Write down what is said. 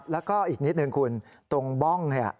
แล้วก็อีกนิดนึงคุณตรงบ้องเนี่ย